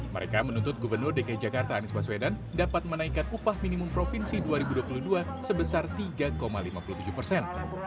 mereka menuntut gubernur dki jakarta anies baswedan dapat menaikkan upah minimum provinsi dua ribu dua puluh dua sebesar tiga lima puluh tujuh persen